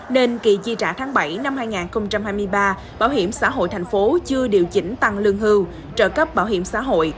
nên kỳ chi trả tháng bảy năm hai nghìn hai mươi ba bảo hiểm xã hội thành phố chưa điều chỉnh tăng lương hưu trợ cấp bảo hiểm xã hội